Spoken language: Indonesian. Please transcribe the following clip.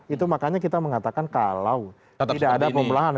itu makanya kita mengatakan kalau tidak ada pembelahan